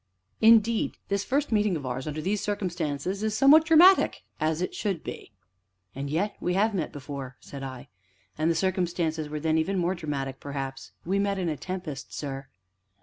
Indeed, this first meeting of ours, under these circumstances, is somewhat dramatic, as it should be." "And yet, we have met before," said I, "and the circumstances were then even more dramatic, perhaps, we met in a tempest, sir."